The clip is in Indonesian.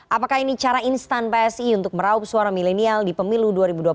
apakah ini cara instan psi untuk meraup suara milenial di pemilu dua ribu dua puluh